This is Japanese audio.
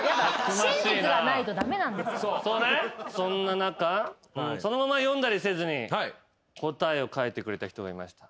そんな中そのまま読んだりせずに答えを書いてくれた人がいました。